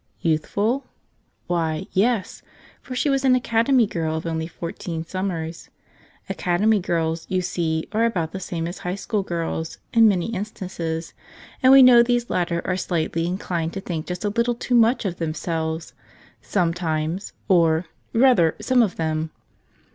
Youthful? Why, I yes, for she was an Academy girl of only • fourteen summers. Academy girls, you see, are about the same as High School girls, in many in¬ stances, and we know these latter are slightly in¬ clined to think just a little too much of themselves — sometimes, or, rather, some of them.